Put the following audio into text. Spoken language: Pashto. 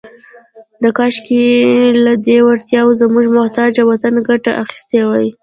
« کاشکې، لهٔ دې وړتیاوو زموږ محتاج وطن ګټه اخیستې وای. »